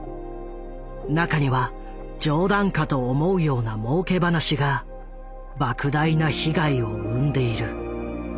中には冗談かと思うようなもうけ話がばく大な被害を生んでいる。